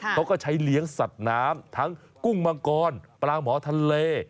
เขาก็ใช้เลี้ยงสัตว์น้ำทั้งกุ้งมังกรปลาหมอทะเล